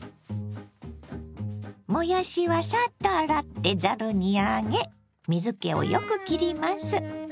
もやしはサッと洗ってざるに上げ水けをよくきります。